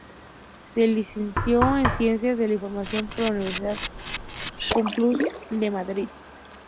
Se licenció en Ciencias de la Información por la Universidad Complutense de Madrid.